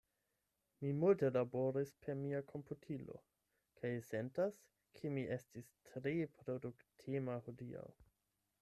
Mi multe laboris per mia komputilo, kaj sentas, ke mi estis tre produktema hodiaŭ.